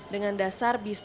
dengan dasar bisnisnya